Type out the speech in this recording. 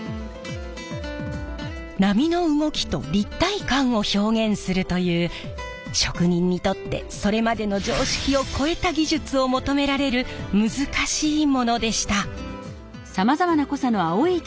波の動きと立体感を表現するという職人にとってそれまでの常識を超えた技術を求められる難しいものでした。